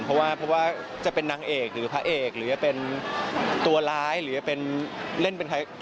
เพราะว่าเพราะว่าจะเป็นนางเอกหรือพระเอกหรือจะเป็นตัวร้ายหรือจะเป็นเล่นเป็นใคร